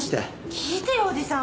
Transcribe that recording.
聞いてよおじさん。